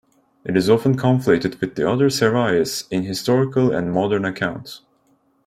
It is often conflated with the other Sarais in historical and modern accounts.